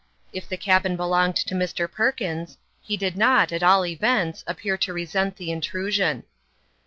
If the cabin belonged to Mr. Perkins, he did not, at all events, appear to resent the intrusion.